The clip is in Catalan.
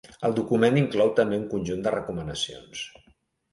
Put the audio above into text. El document inclou també un conjunt de recomanacions.